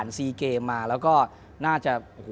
แล้วเขาก็เอามาเขาก็บรรจุโรงบรรจุเหรียญอะไรเข้ามา